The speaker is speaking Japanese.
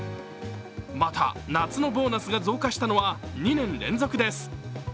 また、夏のボーナスが増加したのは２年連続です。